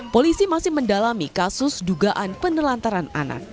polisi masih mendalami kasus dugaan penelantaran anak